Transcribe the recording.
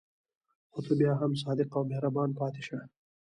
خو ته بیا هم صادق او مهربان پاتې شه.